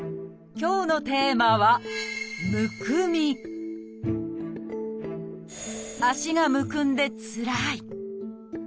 今日のテーマは足がむくんでつらい。